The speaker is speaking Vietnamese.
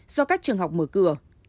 do các trường học mở cửa